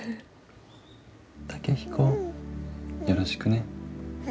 健彦よろしくね。